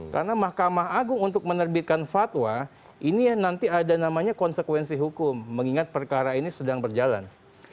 karena mahkamah agung untuk menerbitkan fatwa ini nanti ada namanya konsekuensi hukum mengingat perkara ini sedang berjalan